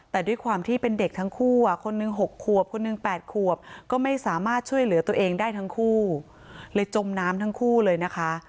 แต่ด้วยความที่เป็นเด็กทั้งคู่คนหนึ่ง๖ขวบคนหนึ่ง๘ขวบก็ไม่สามารถช่วยเหลือตัวเองได้ทั้งคู่เลยจมน้ำทั้งคู่เลยนะคะ